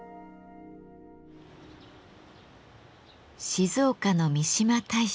静岡の三嶋大社。